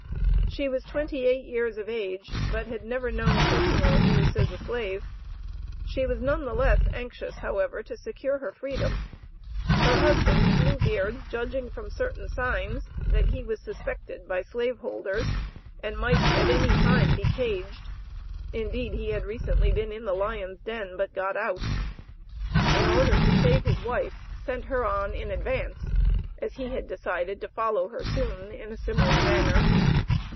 She was twenty eight years of age, but had never known personal abuse as a slave; she was none the less anxious, however, to secure her freedom. Her husband, Blue Beard, judging from certain signs, that he was suspected by slave holders, and might at any time be caged, (indeed he had recently been in the lions' den, but got out); in order to save his wife, sent her on in advance as he had decided to follow her soon in a similar manner.